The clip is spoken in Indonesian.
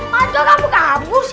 pak jo kamu kabur sih